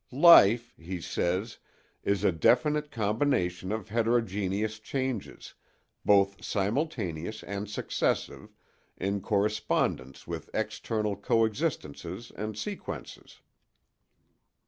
"'Life,' he says, 'is a definite combination of heterogeneous changes, both simultaneous and successive, in correspondence with external coexistences and sequences.